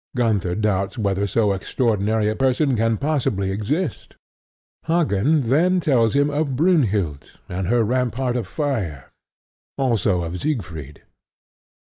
Gunther doubts whether so extraordinary a person can possibly exist. Hagen then tells him of Brynhild and her rampart of fire; also of Siegfried.